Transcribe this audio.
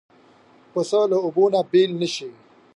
پسه له اوبو نه بېل نه شي.